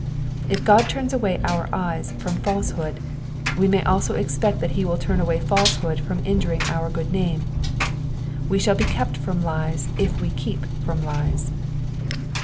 If God turns away our eyes from false hood, we may also expect that he will turn away falsehood from injuring our good name. We shall be kept from lies if we keep from lies.